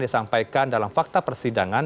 disampaikan dalam fakta persidangan